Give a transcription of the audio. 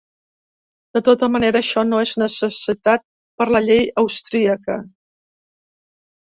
De tota manera això no és necessitat per la llei austríaca.